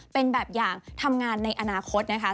เป็นแบบอย่างทำงานในอนาคตนะคะ